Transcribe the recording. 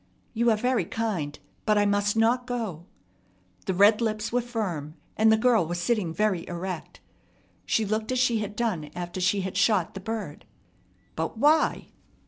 "You are very kind, but I must not go." The red lips were firm, and the girl was sitting very erect. She looked as she had done after she had shot the bird. "But why?"